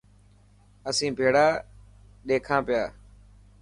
اسين ڀيڙا ڏيکان پيا.